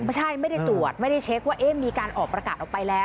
ไม่ได้ตรวจไม่ได้เช็คว่ามีการออกประกาศออกไปแล้ว